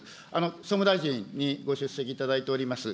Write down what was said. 総務大臣にご出席いただいております。